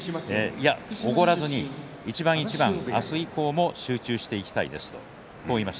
おごらずに一番一番明日以降も集中していきたいです